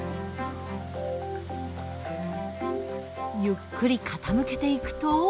ゆっくり傾けていくと。